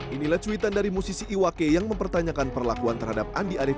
inilah cuitan dari musisi iwake yang mempertanyakan perlakuan terhadap andi arief